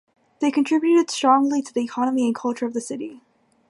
They contributed strongly to the economy and culture of the city.